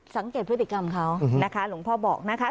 สังเกตพฤติกรรมเขานะคะหลวงพ่อบอกนะคะ